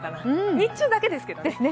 日中だけですけどね。